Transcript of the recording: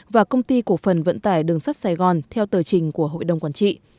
và công ty cổ phần vận tải đường sắt sài gòn theo tờ trình của hội đồng quản trị